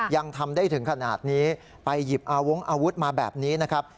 ยังทำได้ถึงขนาดนี้ไปหยิบอาวงอาวุธมาแบบนี้นะครับ